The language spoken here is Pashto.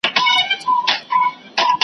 نه اوږده د هجر شپه وي نه بې وسه ډېوه مړه وي .